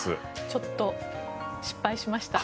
ちょっと失敗しました。